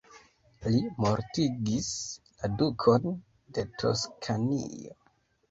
Li mortigis la Dukon de Toskanio.